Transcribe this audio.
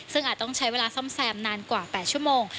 ซึ่งอาจต้องใช้เวลาซ่อมแซมนานกว่า๘ชั่วโมง